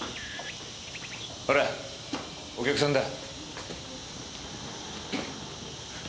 ほらお客さんだ。